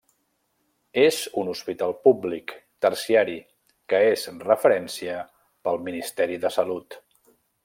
És un hospital públic, terciari, que és referència pel Ministeri de Salut.